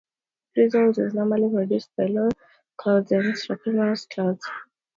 Drizzle is normally produced by low stratiform clouds and stratocumulus clouds.